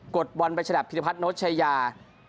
กดบอลไปฉลับพิทธิพัฒน์โนชัยา